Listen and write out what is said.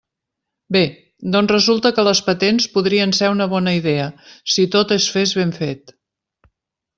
Bé, doncs resulta que les patents podrien ser una bona idea, si tot es fes ben fet.